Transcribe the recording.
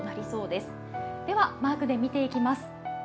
では、マークで見ていきます。